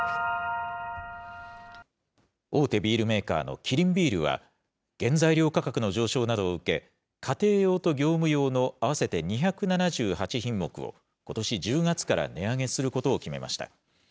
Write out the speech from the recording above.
大手ビールメーカーのキリンビールは、原材料価格の上昇などを受け、家庭用と業務用の合わせて２７８品目を、ことし１０月から値上げすることを決めました。